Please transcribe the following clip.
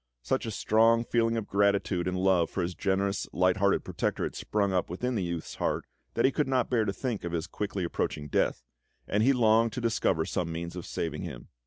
Such a strong feeling of gratitude and love for his generous, light hearted protector had sprung up within the youth's heart that he could not bear to think of his quickly approaching death, and he longed to discover some means of saving him.